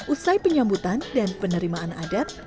usai penyambutan dan penerimaan adat